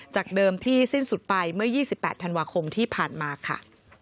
จากเดิมที่สิ้นสุดไปเมื่อ๒๘ธันวาคมที่ผ่านมาค่ะ